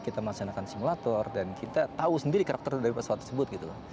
kita melaksanakan simulator dan kita tahu sendiri karakter dari pesawat tersebut gitu